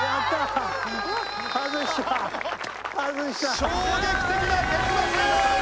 衝撃的な結末！